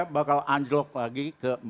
bakal anjlok lagi